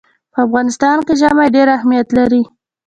په افغانستان کې ژمی ډېر اهمیت لري.